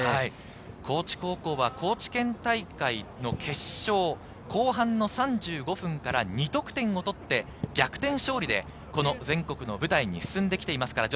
高知高校は高知県大会の決勝、後半の３５分から２得点を取って、逆転勝利でこの全国の舞台に進んできています。